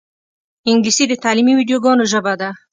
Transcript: انګلیسي د تعلیمي ویدیوګانو ژبه ده